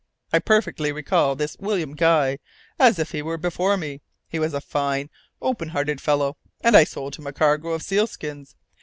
I perfectly recall this William Guy, as if he were before me. He was a fine, open hearted fellow, and I sold him a cargo of seal skins.